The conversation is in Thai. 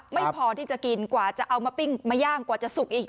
ไม่พอที่จะกินกว่าจะเอามาปิ้งมาย่างกว่าจะสุกอีก